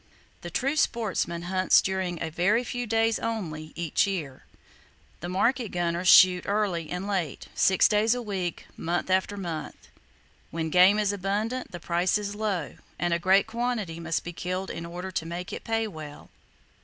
The true sportsman hunts during a very few days only each year. The market gunners shoot early and late, six days a week, month after month. When game is abundant, the price is low, and a great quantity must be killed in order to make it pay well.